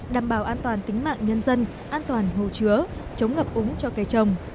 đảm bảo an toàn tính mạng nhân dân an toàn hồ chứa chống ngập úng cho cây trồng